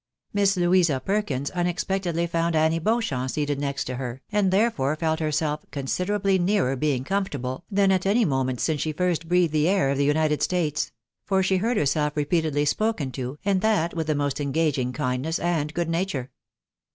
Miss Louisa Perkins unexpectedly found Annie Beauchamp seated next to her, and therefore felt herself consider ably nearer being comfortable than at any moment since she first breathed the air of the United States ; for she heard herself repeat edly spoken to, and that with the most engaging kindness and good nature.